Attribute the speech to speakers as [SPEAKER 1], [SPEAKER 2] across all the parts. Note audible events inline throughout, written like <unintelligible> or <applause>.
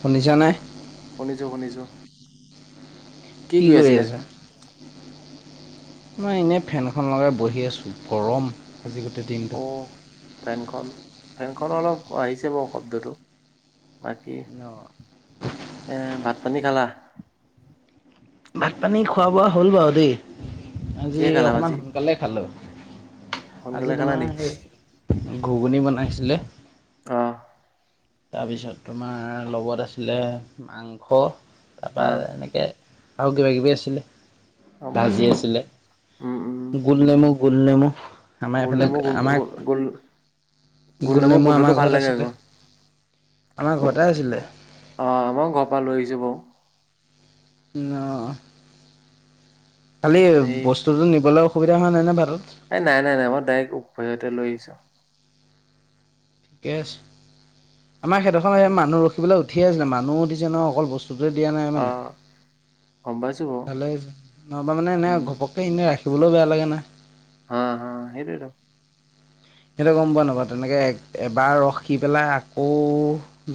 [SPEAKER 1] শুনিছা নে?
[SPEAKER 2] শুনিছো শুনিছো।
[SPEAKER 1] কি কৰি আছা? মই এনেই ফেনখন লগাই বহি আছোঁ গৰম আজি গোটেই দিনটো।
[SPEAKER 2] অ ফেনখন ফেনখন অলপ আহিছে মোৰ শব্দটো বাকী
[SPEAKER 1] অ
[SPEAKER 2] ভাত পানী খালা?
[SPEAKER 1] ভাত পানী খোৱা বোৱা হ'ল বাৰু দেই
[SPEAKER 2] কিহে
[SPEAKER 1] আজি
[SPEAKER 2] খালা
[SPEAKER 1] অকমান
[SPEAKER 2] আজি
[SPEAKER 1] সোনকালে খালি। আজি
[SPEAKER 2] সোনকালে খালা
[SPEAKER 1] তোমাৰ
[SPEAKER 2] নি
[SPEAKER 1] সেই ঘুগুনি বনাইছিলে।
[SPEAKER 2] অ'।
[SPEAKER 1] তাৰপিছত তোমাৰ লগত আছিলে মাংস
[SPEAKER 2] অ
[SPEAKER 1] তাৰপৰা এনেকে আৰু কিব কিবি আছিলে
[SPEAKER 2] গম পাইছো
[SPEAKER 1] ভাজি
[SPEAKER 2] বাৰু
[SPEAKER 1] আছিলে।
[SPEAKER 2] উম উম
[SPEAKER 1] গোল নেমু গোল নেমু আমাৰ
[SPEAKER 2] গোল
[SPEAKER 1] এইফালে
[SPEAKER 2] নেমু গো গোল
[SPEAKER 1] আমাৰ
[SPEAKER 2] গোল
[SPEAKER 1] গোল নেমু
[SPEAKER 2] গোন্ধটো
[SPEAKER 1] আমাৰ
[SPEAKER 2] ভাল
[SPEAKER 1] ঘৰত
[SPEAKER 2] লাগে
[SPEAKER 1] আছিলে
[SPEAKER 2] আকৌ
[SPEAKER 1] আমাৰ ঘৰতে আছিলে।
[SPEAKER 2] অ', আমাৰ ঘৰ পৰা লৈ আহিছো বাৰু।
[SPEAKER 1] অ', খালি
[SPEAKER 2] সেই
[SPEAKER 1] বস্তুটো নিবলৈ অসুবিধা হোৱা নাই ন ভাতত?
[SPEAKER 2] এই নাই নাই নাই মই ডাইৰেক্ট উভয়তে লৈ আহছো।
[SPEAKER 1] থিকে আছে। আমাৰ সেই দখত এ মানুহ ৰখিবলৈ উঠিয়ে আছে মানুহো উঠিছে ন অকল বস্তু দিয়া নাই
[SPEAKER 2] অ
[SPEAKER 1] মানে
[SPEAKER 2] গম পাইছো বাৰু
[SPEAKER 1] ভালে নহ'বা মানে এনেই
[SPEAKER 2] উম
[SPEAKER 1] ঘপক ত এনে ৰাখিবলৈও বেয়া লাগে নাই।
[SPEAKER 2] অ', অ', সেইটোৱেতো।
[SPEAKER 1] সেইটো গম পোৱা নাপোৱা তেনেকৈ এবাৰ ৰখি পেলাই আকৌ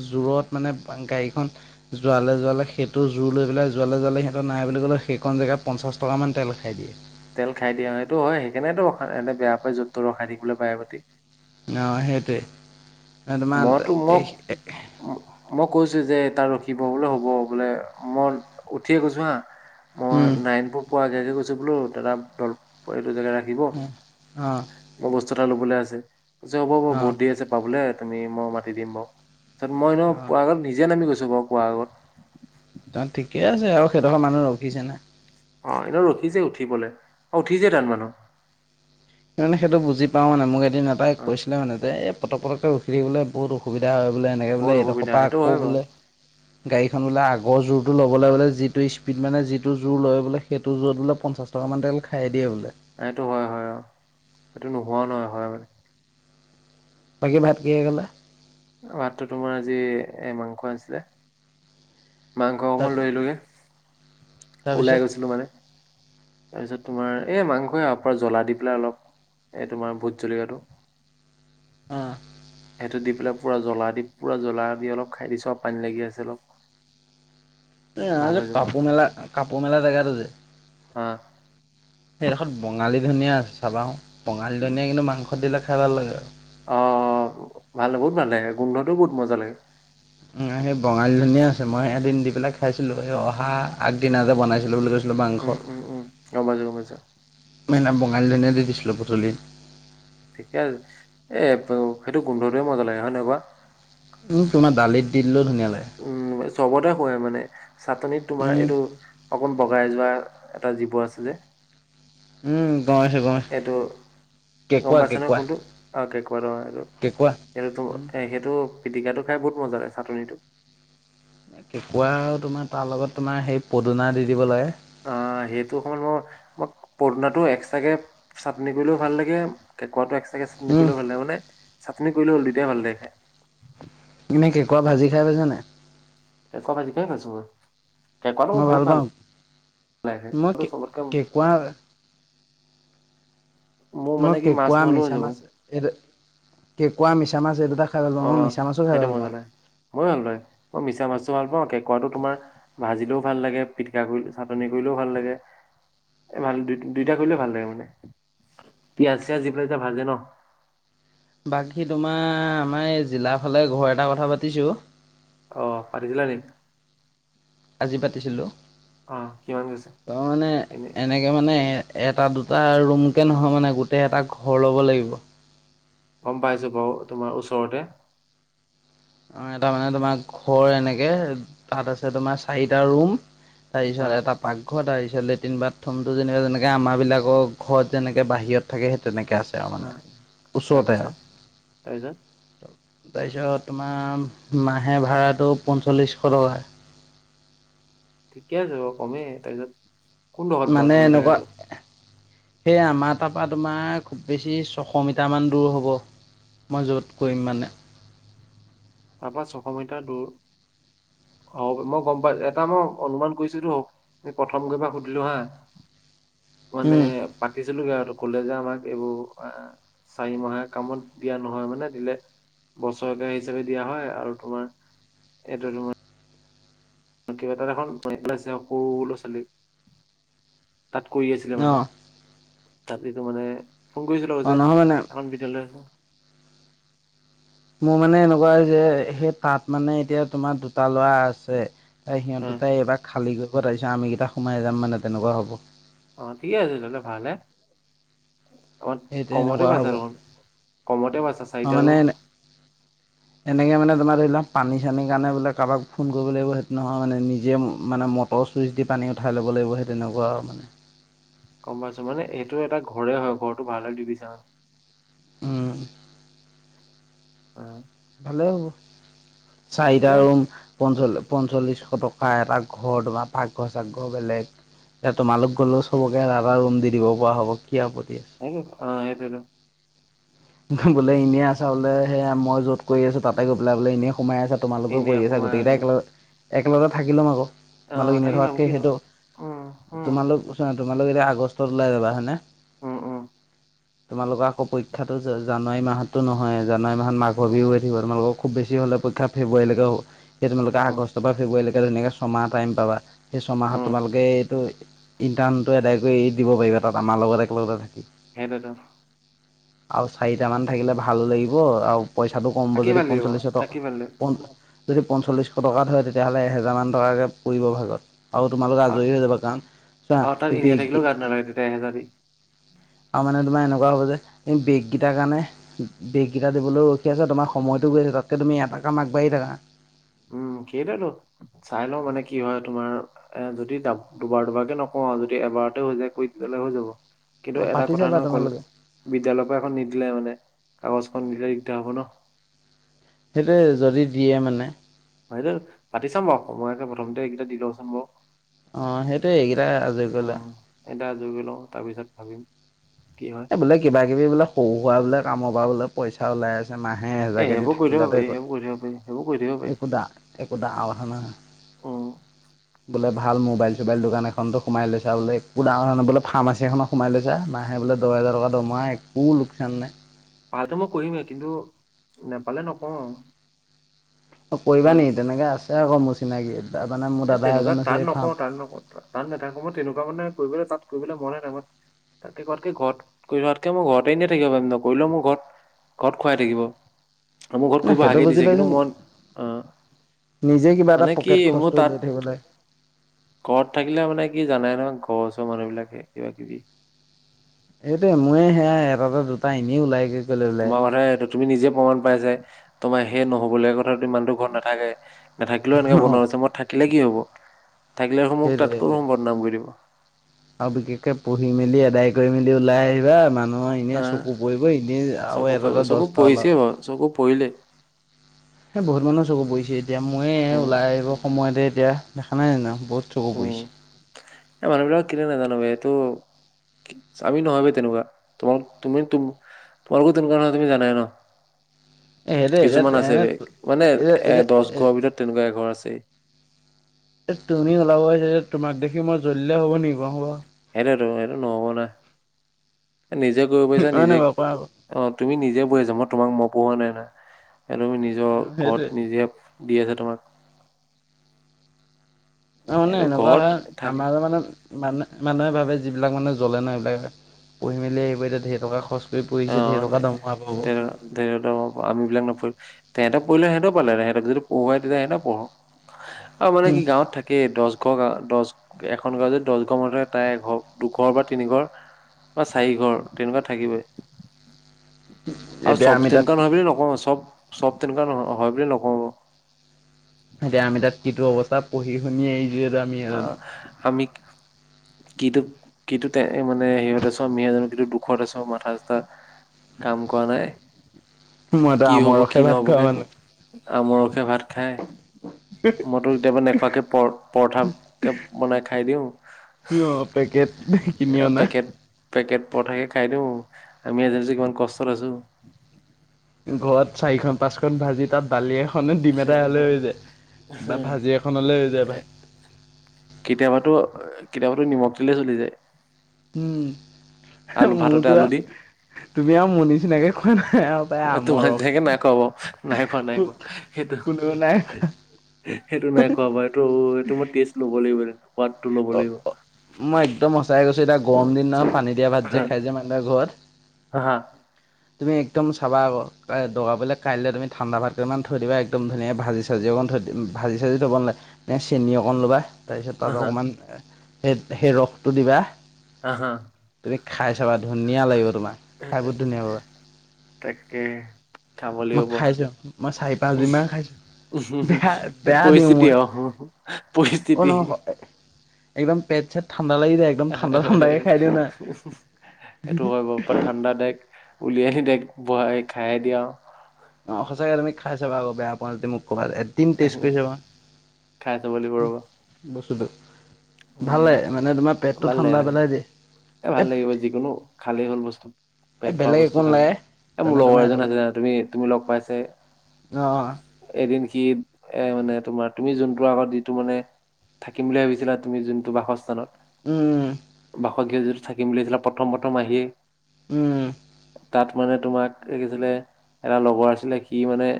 [SPEAKER 1] জোৰত মানে গাড়ীখন যোৱালৈ যোৱালৈ সেইটো জোৰ লৈ পেলাই যোৱালে যোৱালে সিহঁত নাই বুলি ক'লে সেইখন জেগাত পঞ্চাছ টকামান তেল উঠাই দিয়ে।
[SPEAKER 2] তেল খাই দিয়া সেইটো হয় সেই কাৰণেটো এনে বেয়া পায় য'ত ৰখাই দিবলৈ বাৰে পাতি।
[SPEAKER 1] অ', সেইটোৱে। তোমাৰ
[SPEAKER 2] মইতো মোক মই কৈছো যে তাত ৰখিব বোলে হ'ব বোলে মই উঠিয়ে কৈছো হা। মই
[SPEAKER 1] উম,
[SPEAKER 2] নাৰায়নপুৰ পুৱ আগে আগে কৈছো বোলো দা দলপ এইটো জেগা ৰাখি দিব
[SPEAKER 1] অ', অ',
[SPEAKER 2] মই বস্তু এটা লবলৈ আছে হ'ব হ'ব
[SPEAKER 1] অ',
[SPEAKER 2] বহুত দি আছে পাবলৈ তুমি মই মাতি দিম বাৰু তাৰপিছত মই ন পোৱা
[SPEAKER 1] অ'।
[SPEAKER 2] আগত নিজে নামি গৈছো বাৰু কোৱা আগত।
[SPEAKER 1] ত' ঠিকে আছে আৰু সেইডোখৰত মানুহ ৰখিছে ন।
[SPEAKER 2] অ', এনে ৰখিছে উঠিবলৈ অ', উঠিছে তাত মানুহ।
[SPEAKER 1] সেইটো বুজি পাওঁ মানে, মোক এদিন এটাই
[SPEAKER 2] অ
[SPEAKER 1] কৈছিলে মানে যে এই পটক পটকে উথি থাকবলে ব সুবিধা হয় বোলে, এনেকৈ বোলে
[SPEAKER 2] বহুত
[SPEAKER 1] এইটো
[SPEAKER 2] অসুবিধা
[SPEAKER 1] পৰা
[SPEAKER 2] সেইটো
[SPEAKER 1] আকৌ
[SPEAKER 2] হয় বাৰু
[SPEAKER 1] বোলে গাড়ীখন বোলে আগৰ যোৰটো ল'বলৈ বোলে যিটো স্পীড মানে যিটো যোৰ লয় বোলে সেইটো যোৰত বোলে পঞ্চাছ টকামান তেল খাই দিয়ে বোলে
[SPEAKER 2] এইটো হয় হয়, অ', এইটো নোহোৱা নহয় হয় মানে।
[SPEAKER 1] বাকী ভাত কিহে খালা?
[SPEAKER 2] ভাতটো তোমাৰ আজি এ মাংস আনিছিলে। মাংস
[SPEAKER 1] তাৰ
[SPEAKER 2] অকমান লৈ আনিলোগে ওলাই
[SPEAKER 1] তাৰপিছত
[SPEAKER 2] গৈছিলোঁ মানে। তাৰপিছত তোমাৰ এ মাংসই তাৰ পৰা জ্বলা দি পেলাই অলপ এনে তোমাৰ ভোট জলকটো
[SPEAKER 1] অঁ
[SPEAKER 2] সেইটো দি পেলাই পুৰা জ্বলা দি পুৰা জ্বলা দি অলপ খাই দিছো আৰু পানী লাগি আছে অলপ। <inaudible>
[SPEAKER 1] এই যে
[SPEAKER 2] হৈ যাব
[SPEAKER 1] কাপোৰ মেলা কাপোৰ মেলা জেগাটো যে
[SPEAKER 2] অ
[SPEAKER 1] সেইডোখত বঙালী ধনিয়া আছে চাবাচোন, বঙালী ধনিয়া কিন্তু মাংস দিলে খাই ভাল লাগে আৰু।
[SPEAKER 2] অ', ভাল বহুত ভাল লাগে, গোন্ধটোও বহুত মজা লাগে।
[SPEAKER 1] উম সেই বঙালী ধুনিয়া আছে মই এদিন দি পেলাই খাইছিলো, এই অহা আগদিনা যে বনাইছিলো বুলি কৈছিলো মাংস
[SPEAKER 2] উম উম উম গম পাইছো গম পাইছো
[SPEAKER 1] মই বঙালী ধনিয়ায দি দিছিলোঁ বুটলি।
[SPEAKER 2] ঠিকে আছে, সেইটো গোন্ধটোোৱে মজা লাগে হয় নে নহয় কোৱা।
[SPEAKER 1] উম তোমাৰ দালিত দি দিলেও ধুনীয়া লাগে।
[SPEAKER 2] উম চবতে শুৱে মানে চাটনিত তোমাৰ
[SPEAKER 1] উম
[SPEAKER 2] এইটো অকণ বগাই যোৱা এটা জীৱ আছে যে
[SPEAKER 1] উম গম পাইছু।
[SPEAKER 2] এইটো গম পাইছা নহয় কোনটো অ কেকোৰা এইটো
[SPEAKER 1] কেঁকুৰা
[SPEAKER 2] সেইটো তোম
[SPEAKER 1] উম
[SPEAKER 2] এ সেইটো পিটিকাটো খাই বহুত মজা লগে চাটননিটো।
[SPEAKER 1] কেঁকুৰা আৰু তোমাৰ তাৰ লগত তোমাৰ সেই পদুনা দি দিব লাগে
[SPEAKER 2] অ সেইটো হ'ল মই পদুনাটো এক্সট্ৰাকে চাটনি কৰিলেও ভাল লাগে কেঁকুৱা টো এক্সট্ৰাকে চাটনি
[SPEAKER 1] উম
[SPEAKER 2] কৰিলেও ভাল লাগে মানে চাটনি কৰিলেওল দুটাই ভাল লাগে খাই।
[SPEAKER 1] এনে কেকুৱা ভাজি খাই পাইাছা নাই?
[SPEAKER 2] কেকোৱা ভাজি খাই পাইছো মই, কেকোৱাটো মোৰ
[SPEAKER 1] মই
[SPEAKER 2] বহুত ভাল
[SPEAKER 1] পাওঁ কোৱা
[SPEAKER 2] মোৰ
[SPEAKER 1] মই
[SPEAKER 2] মানে কি মাছ
[SPEAKER 1] কেঁকুৱা
[SPEAKER 2] নহ'লেও হৈ
[SPEAKER 1] মিছা
[SPEAKER 2] যাব
[SPEAKER 1] মাছ এই কেঁকোৱা মিছা মাছ এই দুটা খাই ভাল পাওঁ মই মিছা মাছো খাই ভাল পাওঁ।
[SPEAKER 2] মইো ভাল পাওং মই মিছা মাছটোো ভাল পাওঁ কেঁকোৱাটো তোমাৰ ভাজিলেও ভাল লাগে পিটিকা কৰি চাটনি কৰিলেও ভাল লাগে ভাল দু দুইটা
[SPEAKER 1] উম,
[SPEAKER 2] কৰিলে ভাল লাগে মানে পিয়াজ চিয়াজ দি পেলাই যেতিয়া ভাজে ন'
[SPEAKER 1] বাকী তোমাৰ আমাৰ এই জিলা ফালে ঘৰ এটা কথা পাতিছোঁ
[SPEAKER 2] অ', পাতিছিলা নেকি?
[SPEAKER 1] আজি পাতিছিলোঁ
[SPEAKER 2] অ কিমান গৈছে
[SPEAKER 1] তাৰ
[SPEAKER 2] এনে
[SPEAKER 1] মানে মানে এটা দুটা ৰুম কে নহয় মানে গোটেই এটা ঘৰ ল'ব লাগিব।
[SPEAKER 2] গম পাইছো বাৰু তোমাৰ ওচৰতে।
[SPEAKER 1] অ', এটা মানে তোমাৰ ঘৰ এনেকে তাত আছে তোমাৰ চাৰিটা ৰুম তাৰ
[SPEAKER 2] হা
[SPEAKER 1] পিছত এটা পাকঘৰ এটা লেট্ৰিন বাট প্ৰথমটো যেনিবা যেনেকৈ আমাৰাবিলাকৰ ঘৰত যেনেকৈ বাহিৰত থাকে সেই তেনেকৈ আছে
[SPEAKER 2] অ
[SPEAKER 1] মানে, ওচৰতে
[SPEAKER 2] তাৰপিছত তাৰপিছত
[SPEAKER 1] আৰু তাৰ পিছত তোমাৰ মাহে ভাড়াটো পঞ্চল্লিছশ টকা।
[SPEAKER 2] ঠিকে আছে বাৰু কমেই তাৰপিছত কোনডোখৰত বাৰু
[SPEAKER 1] মানে
[SPEAKER 2] তোমাৰ
[SPEAKER 1] এনেকুৱা
[SPEAKER 2] জেগাটো
[SPEAKER 1] সেই আমাৰ তাৰ পৰা তোমাৰ খুব বেছি ছশ মিটাৰ মান দূৰ হব। মই য'ত কৰিম মানে।
[SPEAKER 2] তাৰপৰা ছশ মিটাৰ দূৰ। অ' মই গম পাইছোঁ, এটা মই অনুমান কৰিছোঁ প্ৰথম গৈ সুধিলো হা মানে
[SPEAKER 1] উম
[SPEAKER 2] পাতিছিলোগে আৰু কলে যে আমাক এইবোৰ আ চাৰি মাহে কামত দিয়া নহয় মানে দিলে বছৰকে আহি হিচাপে দিয়া হয় আৰু তোমাৰ এইটো তোমাৰ কিবা এটা এখন পাইছে, সৰু ল'ৰা ছোৱালী তাত কৰি আছিলে
[SPEAKER 1] অ
[SPEAKER 2] মানে, তাত এইটো মানে ফোন কৰিছিলো
[SPEAKER 1] অ
[SPEAKER 2] পিছে
[SPEAKER 1] নহয় মানে
[SPEAKER 2] আমাক বিদ্যালয় আচুন।
[SPEAKER 1] মোৰ মানে এনেকুৱা যে সেই তাত মানে এতিয়া তোমাৰ দুটা ল'ৰা আছে। তাই
[SPEAKER 2] অ
[SPEAKER 1] সিহঁতো তাই এইবাৰ খালী গইত আহিছে, আমিকেইটা সোমাই যাম মানে তেনেকুৱা হ'ব।
[SPEAKER 2] অ' ঠিকে আছিলে ভালহে। অমান
[SPEAKER 1] সেই
[SPEAKER 2] কমতে
[SPEAKER 1] তেনেকুৱা
[SPEAKER 2] পাইছা
[SPEAKER 1] হ'ব
[SPEAKER 2] ৰুম, কমতে পাইছা চাৰিটা ৰুম।
[SPEAKER 1] এনেকৈ মানে তোমাৰ ধৰি লওক পানী চানীৰ কাৰণে বোলে কাৰোবাক ফোন কৰিব লাগিব সেইটো নহয় মানে নিজে মানে মত অ' ছুইচ দি পানী উঠাই ল' লাগিব সেই তেনেকুৱা আৰু মানে।
[SPEAKER 2] গম পাইছোঁ মানে এইেইটো এটা ঘৰে হয়, ঘৰটো ভালে দিবিছা।
[SPEAKER 1] উম।
[SPEAKER 2] হয়।
[SPEAKER 1] ভালে হ'ব। চাৰিটা ৰুম পঞ্চল্লি পঞ্চল্লিশ টকা, এটা ঘৰ তোমাৰ পাকঘৰ চাকঘৰ বেলেগ। এতিয়া তোমালোক গ'লে চবকে এটা এটা ৰুম দি দিব পৰা হ'ব কি আপত্তি।
[SPEAKER 2] অ' এইটোৱেটো।
[SPEAKER 1] বুলে এনেই আছা, বোলে সেয়া মই য'ত কৰি আছোঁ তাতে গৈ বোলে বোলে এনেই সোমাই আছা তোমালোকেও
[SPEAKER 2] এনেই
[SPEAKER 1] কৰি আছা,
[SPEAKER 2] সোমাই
[SPEAKER 1] গোটেই কেইটা
[SPEAKER 2] আৰু
[SPEAKER 1] একেলগ একেলগতে থাকি ল'ম আকৌ।
[SPEAKER 2] অ
[SPEAKER 1] তোমালোক এনেই
[SPEAKER 2] থাকি ল'ম
[SPEAKER 1] থকাতকে,
[SPEAKER 2] কিনো
[SPEAKER 1] সেইটো
[SPEAKER 2] উম উম
[SPEAKER 1] তোমালোক তোমালোক এতিয়া আগষ্টত ওলাই যাবা হয়নে?
[SPEAKER 2] উম উম
[SPEAKER 1] তোমালোকৰ আকৌ পৰীক্ষাতো জানুৱাৰী মাহতো নহয়, জানুৱাৰী মাহত মাঘৰ
[SPEAKER 2] উম
[SPEAKER 1] বিহু হৈ উ, থাকিব তোমালোকক খুব বেছি হলেও পৰীক্ষা ফেৱৰুৱাৰীলৈকে হে, সেই তোমোলোকে
[SPEAKER 2] উম
[SPEAKER 1] আগষ্টপা পৰা ফেব্ৰুৱাৰীলৈ ধুনীয়ে ছমাহ টাইম পাবা। সেই ছমাহত
[SPEAKER 2] উম
[SPEAKER 1] তোমালোকে এইটো ইণ্টাৰ্ণটো আদায় কৰি দিব পাৰিবা, তাত আমাৰ লগত একেলগতে থাকি।
[SPEAKER 2] সেইটোৱেইটো।
[SPEAKER 1] আৰু চাৰিটামান থাকিলে ভাল লাগিব আৰু পইচাটো কম
[SPEAKER 2] থাকি
[SPEAKER 1] যদি
[SPEAKER 2] ভাল লাগিব
[SPEAKER 1] পঞ্চল্লিছ
[SPEAKER 2] থাকি
[SPEAKER 1] টকা
[SPEAKER 2] ভাল লাগিব
[SPEAKER 1] পন যদি পঞ্চল্লিশ টকা ধৰে তেতিয়াহ'লে এহেজাৰ মান টকাকে পৰিব ভাগত। আৰু তোমালোক
[SPEAKER 2] অ
[SPEAKER 1] আজৰি হৈ যাবা কাৰণ
[SPEAKER 2] অ তাত
[SPEAKER 1] চোৱা
[SPEAKER 2] এনেই
[SPEAKER 1] বেইগ গে
[SPEAKER 2] থাকিলেও গাত নালাগে তেতিয়া এহেজাৰ দি
[SPEAKER 1] আৰু মানে তোমাৰ এনেকুৱা হ'ব যে এই বেগকেইটাৰ কাৰণে বেগকেইটা দিবলৈও ৰখি আছে, তোমাৰ সময়তো গৈ আছে তাতকে তুমি এটা কাম আগবাঢ়ি থাকা।
[SPEAKER 2] উম, সেইটোৱেতো, চাই লওঁ মানে কি হয় তোমাৰ এ, যদি দুবাৰ দুবাৰকে নকওঁ আৰু যদি এবাৰতে হৈ যায় কৰি তেয়'লে হৈ যাব। কিন্তু
[SPEAKER 1] অঁ
[SPEAKER 2] এটা
[SPEAKER 1] পাতি
[SPEAKER 2] কথা
[SPEAKER 1] চাবা
[SPEAKER 2] নহয় ক
[SPEAKER 1] তোমালোকে
[SPEAKER 2] বিদ্যালয়ৰপৰা এখন নিদিলে মানে কাগজখন দিলে দিগদাৰ হ'ব ন'।
[SPEAKER 1] সেইটোয়ে যদি দিয়ে মানে।
[SPEAKER 2] হয় দেউ পাতি চাম বাৰু, মই আ, প্ৰথমতে এইকেইটা দি লওঁচোন বাৰু।
[SPEAKER 1] অ' সেইটোয়ে এইকেইটা আজৰি কৰিলা।
[SPEAKER 2] এটা আজৰি লওঁ তাৰপিছত ভাবিম কি হয়।
[SPEAKER 1] এই বোলে কিবা কিবি বোলে সৰু সুৰা বোলে কামৰপৰা বোলে পইচা ওলাই আছে। পাছে মাহে
[SPEAKER 2] এ
[SPEAKER 1] এহেজাৰকে দি
[SPEAKER 2] সেইবোৰ কৰি থাকিব
[SPEAKER 1] থাকিলতে
[SPEAKER 2] পাৰি
[SPEAKER 1] গল,
[SPEAKER 2] সেইবোৰ কৰি থাকিব পাৰি সেইবোৰ কৰি থাকিব পাৰি
[SPEAKER 1] একো ডা ডা ডাঙৰ কথা নহয় নহয়।
[SPEAKER 2] <inaudible>
[SPEAKER 1] বোলে ভাল মোবাইল চোবাইল দোকান এখনটো লৈছা বোলে একো ডাঙৰ নহয়, নহয় বোলে ফাৰ্মাচী এখনত সোমাই লৈছা মাহে বোলে দুহাজাৰ টকা দৰমহা, একো লোকচান নাই।
[SPEAKER 2] পাইটো মই কৰিমেই কিন্তু নেপালে নকওঁ।
[SPEAKER 1] অ' কৰিবা
[SPEAKER 2] কাৰণ
[SPEAKER 1] নেকি তেনেকে? আছে আকৌ মোৰ চিনাকি তাৰমানে মোৰ দাদা এজন আছে এই ফাৰ্ম
[SPEAKER 2] থাইন্ন পত্ৰ। তাত নাথাকোঁ মই তেনেকুৱা মানে কৰিবলৈ তাত কৰিবলৈ মনে নাই, মই তাতকে কৰাত কে ঘৰত কৰি থকাতকে মই ঘৰতে এনে থাকিব পাৰিম নকৰিলেও মোৰ ঘৰত ঘৰত খুৱাই থাকিব আৰু মোৰ ঘৰত
[SPEAKER 1] নাই
[SPEAKER 2] কৰিব
[SPEAKER 1] সেইটো
[SPEAKER 2] হাকেই
[SPEAKER 1] বুজি
[SPEAKER 2] দিছে
[SPEAKER 1] পাইছো
[SPEAKER 2] কিন্তু মই আহ।
[SPEAKER 1] নিজে কিবা এটা পকেট খৰচটো উলিয়াই থাকিবলৈ।
[SPEAKER 2] ঘৰত থাকিলে মানে কি জানাই নহয় ঘৰ ওচৰ মানুহবিলাকে কিবা কিবি।
[SPEAKER 1] এইোৱে মোৰে সেয়া এটাতে দুটা এনে ওলাই গৈ
[SPEAKER 2] তোমাৰ মানে তুমি নিজে প্ৰমাণ পাই যে তোমাৰ সেই নহবলগীয়া কথা ইমানতো ঘৰত নাথাকে। নাথাকিলেও এনেকে
[SPEAKER 1] অ
[SPEAKER 2] বদনাম হৈছে মই থাকিলে কি হব থাকিলে দেখোন মোক
[SPEAKER 1] সেইটোৱে সেইটোৱে
[SPEAKER 2] তাতকৈ বদনাম কৰি দিব।
[SPEAKER 1] আৰু বিশেষকে পহি মেলি আদায় কৰি মেলি ওলাই আহিবা মানুহৰ ইিনে
[SPEAKER 2] আহ
[SPEAKER 1] চকু প গৈ ইিিলই আ আৰু এাৰটা দহটাল <unintelligible>
[SPEAKER 2] হয় চকু পৰিলে
[SPEAKER 1] এ বহুত মানুহৰ চকু পৰিছে এতিয়া ময়ে
[SPEAKER 2] উম
[SPEAKER 1] ওলাই আহিব সময়তে এতিয়া দেখা নাই জানো বহুত চকু পৰিছে
[SPEAKER 2] এ মানুহবিলাক কিনো নাজানো এইটো আমি নহয় তেনেকুৱা তোমাক তুমি তুম অলপো তেনুকুৱা তুমি জানাই ন।
[SPEAKER 1] এ হেৰি
[SPEAKER 2] কিছুমান
[SPEAKER 1] এতিয়া
[SPEAKER 2] আছে
[SPEAKER 1] এনে
[SPEAKER 2] বেগ মানে
[SPEAKER 1] এতিয়া
[SPEAKER 2] এ
[SPEAKER 1] এতিয়া
[SPEAKER 2] দহ ঘৰৰ ভিতৰত তেনেকুৱা এঘৰ আছেই।
[SPEAKER 1] এ তুমি ওলাব আহিছ যে তোমাক দেখি মই জলাই হ'ব নেকি বাৰু?
[SPEAKER 2] সেইটোতো সেইটো নহব না নিজে কৰিব পাৰিছা
[SPEAKER 1] হয় নাই
[SPEAKER 2] নিজে
[SPEAKER 1] বাৰু কোৱা আকৌ
[SPEAKER 2] অ' তুমি নিজে বৈহ আছা মই তোমাক মই পঢ়োৱা নাই নাই তুমি নিজৰ
[SPEAKER 1] সেইটোৱে
[SPEAKER 2] ঘৰত নিজে দি আছে তোমাক।
[SPEAKER 1] নানে
[SPEAKER 2] এইটো
[SPEAKER 1] এনেকুৱা
[SPEAKER 2] ঘৰত
[SPEAKER 1] হয়
[SPEAKER 2] থাকে
[SPEAKER 1] আমাৰ মানে মানে মানুহে ভাবে যিবিলাক মানে জ্বলে ন সবিলাক পঢ়ি মেলি আহিব এতিয়া ধেৰ টকা খৰচ কৰি
[SPEAKER 2] অ'
[SPEAKER 1] পঢ়িছে ধেৰ টকা
[SPEAKER 2] দে
[SPEAKER 1] দৰমহা পাব
[SPEAKER 2] তেৰৰ আমি বিলাক ন তেহেঁত পঢ়লেে সিহঁও পালে সহঁক যদি পঢ়োৱ তেতি সিহতে পঢ়ো আৰু মানে কি গাঁৱত থাকে কেই দহ ঘৰ গাঁও দহ এখন গাঁও যদি দহ ঘৰ মতেতে তাই এঘৰ দুঘৰ বা তিনি ঘৰ। বা চাৰি ঘৰ তেনেকুৱা থাকিবই। আৰু
[SPEAKER 1] এতিয়া
[SPEAKER 2] চব
[SPEAKER 1] আমি তাত
[SPEAKER 2] টনকান হয় বুলি নকওঁ চব চব নেক হয় বুলি নকওঁ।
[SPEAKER 1] এতিয়া আমি তাত কিটো অৱস্থা পঢ়ি শুনি যিহেতু আমি নাজানো
[SPEAKER 2] আহ আমি কি কিটো মানে সেহঁত আছ মিঞাজ কিটো দুখত আছ মাথা চা কাম কৰা নাই
[SPEAKER 1] মইতো
[SPEAKER 2] কি
[SPEAKER 1] আমৰ
[SPEAKER 2] হব
[SPEAKER 1] ৰসে
[SPEAKER 2] কি
[SPEAKER 1] ভাত
[SPEAKER 2] নহব
[SPEAKER 1] খোৱা
[SPEAKER 2] কে।
[SPEAKER 1] মানুহ
[SPEAKER 2] আমৰহে ভাত খাই মইতো কেতিয়াবা নেখুৱাকে পৰ পৰঠা বন খাই দিওঁ
[SPEAKER 1] অ', পেকেট কিনি
[SPEAKER 2] আব
[SPEAKER 1] অনা।
[SPEAKER 2] পেকেট পঠাকে খাই দিও আমি এজ যে কিমান কষ্টত আছো।
[SPEAKER 1] ঘৰত চাৰিখন পাঁচ খন ভাজি তাত বালিয়ে এ ডিম এটাই হ'লৈ হৈ যায় বা ভাজি এখনলৈ হৈ যায়।
[SPEAKER 2] কেতিয়াবাতো কেতিয়াবাতো নিমখ জলে চলি যায়।
[SPEAKER 1] উম।
[SPEAKER 2] আলু ভাততে
[SPEAKER 1] মোৰতো
[SPEAKER 2] আলু
[SPEAKER 1] আৰু
[SPEAKER 2] দি।
[SPEAKER 1] তুমি আৰু মনি নিচিনাকে খোৱা নাই আৰু তাই
[SPEAKER 2] তোমাৰ চাগে নাই
[SPEAKER 1] আমৰসে।
[SPEAKER 2] খোৱা বাৰু নাই খোৱা নাই খোৱা সেইটো
[SPEAKER 1] কোননেও নাই।
[SPEAKER 2] সেইটো নাই কোৱা বাৰু এইটো এইটো মই টেষ্ট ল'ব লাগিব। সোৱাদটো ল'ব
[SPEAKER 1] অ'
[SPEAKER 2] লাগিব।
[SPEAKER 1] মই একদম সচাই গৈছো এতিয়া গৰম দিন নহয় পানী দিয়া ভাত যে খাই যে মানে ঘৰত?
[SPEAKER 2] হ হা।
[SPEAKER 1] তুমি একদম চাবা দগাবলৈ কাইলৈ তুমি ঠাণ্ডা ভাতকেইান থৈ দিবা একদম ধুনীয়া ভাজিছ ভাজি অকণ থৈ ভাজি চাজি থ'ব নাগে নে চেনি অকণ ল'বা। তাৰপিছত তাত অকমান সেই সেই ৰসটো দিবা।
[SPEAKER 2] হা হা।
[SPEAKER 1] তুমি খাই চাবা ধুনীয়া লাগিব তোমাৰ। খাই বহুত ধুনীয়া পাবা
[SPEAKER 2] তাকে। খাব
[SPEAKER 1] মই
[SPEAKER 2] লাগিব
[SPEAKER 1] খাইছোঁ মই চাৰি পাঁচদিনমান খাই
[SPEAKER 2] <unintelligible> সেই পৰিস্থিতি অ' পৰিস্থিতি।
[SPEAKER 1] এইকেইবাৰ পেট চেত
[SPEAKER 2] সেইটো হয় বাৰু। তাৰপা ঠাণ্ডা দোৰেক্ট উলিয়াই আহি দাৰেক্ট বাই খাইে দিয়ে আৰু।
[SPEAKER 1] অ', সচাকে তুমি খায় চাবা আকৌ বেয়া পোৱা যদি মোক ক'বা। তনি তেইছ
[SPEAKER 2] আৰু
[SPEAKER 1] কৰি চাবা
[SPEAKER 2] খাই চাব লাগিব ৰ'বা
[SPEAKER 1] বস্তুটো।
[SPEAKER 2] উম
[SPEAKER 1] ভালে মানে তোমাৰ পেটটো
[SPEAKER 2] ভাল লাগে
[SPEAKER 1] ঠাণ্ডা
[SPEAKER 2] ভাল লাগে
[SPEAKER 1] পেলাই দিয়ে।
[SPEAKER 2] এ ভাল লাগিব যিকোনো খালে হ'ল বস্তু।
[SPEAKER 1] এ
[SPEAKER 2] পেট ভৰাই
[SPEAKER 1] বেলেগ
[SPEAKER 2] বস্তু
[SPEAKER 1] একো
[SPEAKER 2] খালো
[SPEAKER 1] নালাগে
[SPEAKER 2] এ মোৰ
[SPEAKER 1] তেনে
[SPEAKER 2] লগৰ
[SPEAKER 1] তোমাৰ
[SPEAKER 2] এজন আছে
[SPEAKER 1] এনেকুৱা
[SPEAKER 2] জানা তুমি তুমি লগ পাইছে?
[SPEAKER 1] অ
[SPEAKER 2] এদিন সি এ মানে তোমাৰ তুমি যোনটো আগত যিটো মানে থাকিম বুলি ভাবিছিলা। তুমি যোনটো বাসস্থানত
[SPEAKER 1] উম
[SPEAKER 2] বাসগৃহ যিটো থাকিম বুলি ভাবিছিলা প্ৰথম প্ৰথম আহি।
[SPEAKER 1] উম।
[SPEAKER 2] তাত মানে তোমাক কিছিলে এটা লগৰ আছিলে সি মানে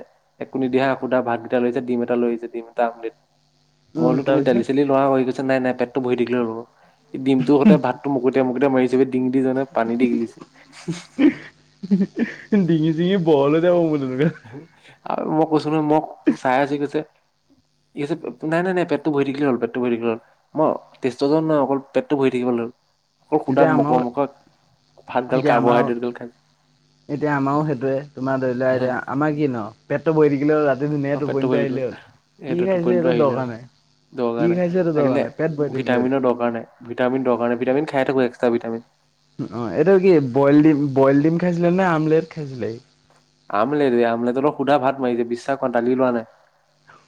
[SPEAKER 2] একো নিদিয়া সুদা ভাতকেইটা লৈ আছে ডিম এটা লৈছে মানে এটা আমলেট। মই
[SPEAKER 1] উম
[SPEAKER 2] বোলো তুমি দালি
[SPEAKER 1] তাৰপিছত
[SPEAKER 2] চালি লোৱা হৈ গৈছে নাই নাই পেটটো বহি থাকিলে ৰ'ল সি ডিমটো সৈতে ভাত এতিয়া মোকতাই মাৰিছে ডিঙিত ধৰি যায় পানী দি গিলিছে।
[SPEAKER 1] ডিঙি চিঙি বহল যাব বোলো
[SPEAKER 2] আৰু মই কৈছো নহয় মোক চাই আছে কৈছে সি কৈছে নাই নাই নাই পেটতো ভৰি থাকিলে হ'ল পেটতো ভৰি থাকিলে হ'ল। মই তেষ্টজন নাই অকল পেটটো ভৰি থাকিব লাগল অকল সুধা
[SPEAKER 1] এতিয়া আমাৰ
[SPEAKER 2] মকৰ মকৰ ভাত গাল
[SPEAKER 1] এতিয়া আমাৰ
[SPEAKER 2] কাৰ্বহাইড্ৰেট গাল খাই।
[SPEAKER 1] এতিয়া আমাৰও সেইটোয়ে তোমাৰ ধৰি লোৱা এতিয়া আমাৰ কি ন পেটটো বহি থাকিলেও ৰাতি ধুনীয়াকে
[SPEAKER 2] অ', পেটটো
[SPEAKER 1] টোপনিটো আহিলে
[SPEAKER 2] <unintelligible>
[SPEAKER 1] হ'ল। কি
[SPEAKER 2] এইটো
[SPEAKER 1] খাইছে
[SPEAKER 2] টোপনিটো আহিলে
[SPEAKER 1] দৰকাৰ নাই
[SPEAKER 2] আৰু। দৰকাৰ
[SPEAKER 1] কি
[SPEAKER 2] নাই
[SPEAKER 1] খাইছে এইটো দৰকাৰ
[SPEAKER 2] লাগিলে
[SPEAKER 1] নাই পেট ভৰাই থাকিলে হ'ল।
[SPEAKER 2] ভিটামিনৰ দৰকাৰ নাই ভিটামিন দৰকাৰ নাই ভিটামিন খাই থাকো এক্স্ৰা ভিটামিন।
[SPEAKER 1] উম, অ' এটোও কি বইল ডিম-বইল ডিম খাইছিলে নে আমলেট খাইছিলে?
[SPEAKER 2] আমলেত আমলেটৰ লগত সোধা ভাত মাৰিছে বিশ্বাস কৰা দালি লোৱা নাই।